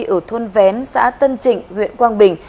ở thôn vén xã tân trịnh huyện quang bình